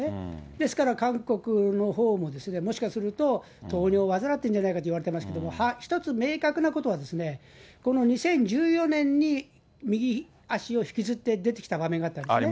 ですから韓国のほうも、もしかすると、糖尿を患ってるんじゃないかということですけれども、一つ明確なことは、この２０１４年に右足を引きずって出てきた場面があったんですね。